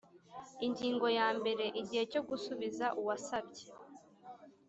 Ingingo ya mbere Igihe cyo gusubiza uwasabye